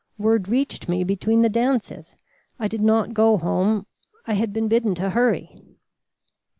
Word reached me between the dances. I did not go home. I had been bidden to hurry."